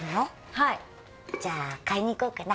はい・じゃあ買いに行こうかな